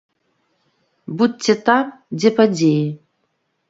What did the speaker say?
Будзьце там, дзе падзеі.